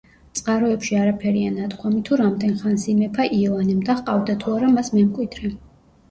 წყაროებში არაფერია ნათქვამი, თუ რამდენ ხანს იმეფა იოანემ და ჰყავდა თუ არა მას მემკვიდრე.